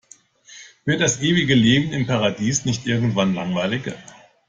Wird das ewige Leben im Paradies nicht irgendwann langweilig?